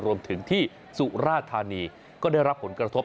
รวมถึงที่สุราธานีก็ได้รับผลกระทบ